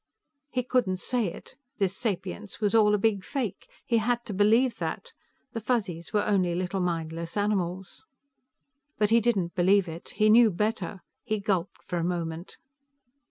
He couldn't say it. This sapience was all a big fake; he had to believe that. The Fuzzies were only little mindless animals. But he didn't believe it. He knew better. He gulped for a moment.